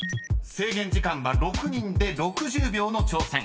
［制限時間は６人で６０秒の挑戦］